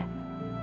tapi nah udah lah